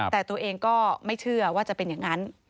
แต่ตัวเองก็ไม่เชื่อว่าจะเป็นอย่างนั้น